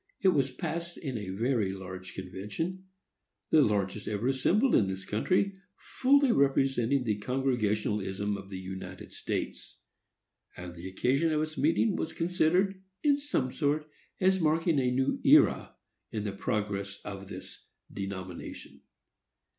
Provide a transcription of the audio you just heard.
It was passed in a very large convention,—the largest ever assembled in this country, fully representing the Congregationalism of the United States,—and the occasion of its meeting was considered, in some sort, as marking a new era in the progress of this denomination.